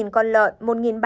hai con lợn